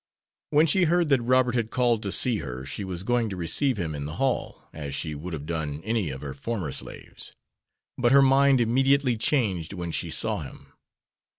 When she heard that Robert had called to see her she was going to receive him in the hall, as she would have done any of her former slaves, but her mind immediately changed when she saw him.